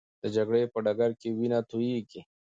د جګړې په ډګر کې وینه تویېږي.